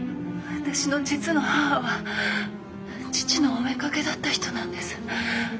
私の実の母は父のお妾だった人なんです。